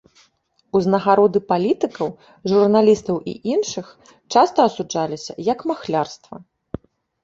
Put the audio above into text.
Узнагароды палітыкаў, журналістаў, і іншых часта асуджаліся як махлярства.